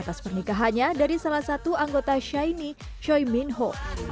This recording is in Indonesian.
atas pernikahannya dari salah satu anggota shaini choi min ho